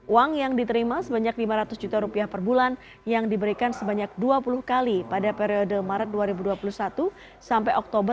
uang yang diterima sebanyak lima ratus juta rupiah per bulan yang diberikan sebanyak dua puluh kali pada periode maret dua ribu dua puluh satu sampai oktober dua ribu dua puluh